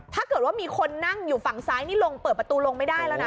ถ้าเกิดว่ามีคนนั่งอยู่ฝั่งซ้ายนี่ลงเปิดประตูลงไม่ได้แล้วนะ